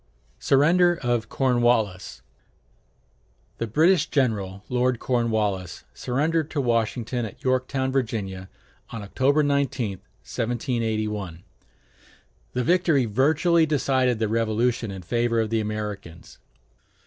[Illustration: SURRENDER OF CORNWALLIS The British general, Lord Cornwallis, surrendered to Washington at Yorktown, Virginia, on October 19, 1781. The victory virtually decided the Revolution in favor of the Americans.